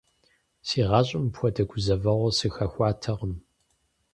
Си гъащӀэм мыпхуэдэ гузэвэгъуэ сыхэхуатэкъым.